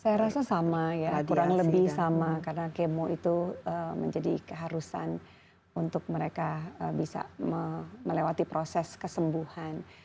saya rasa sama ya kurang lebih sama karena kemo itu menjadi keharusan untuk mereka bisa melewati proses kesembuhan